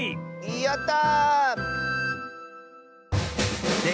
やった！